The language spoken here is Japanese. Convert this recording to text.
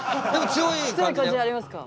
強い感じになりますか？